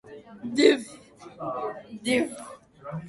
ｄｖｆ